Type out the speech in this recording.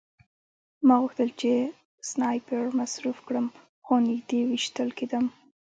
ما غوښتل چې سنایپر مصروف کړم خو نږدې ویشتل کېدم